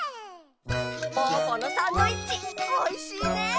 ぽぅぽのサンドイッチおいしいね。